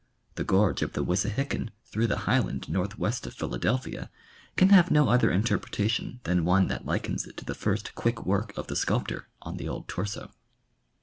The gorge of the Wissahickon through the highland northwest of Philadelphia can have no other interpretation than one that likens it to the first quick work of the sculptor on the old torso.